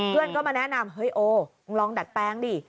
เพื่อนก็มาแนะนำเฮ้ยโอลองดัดแปลงดิ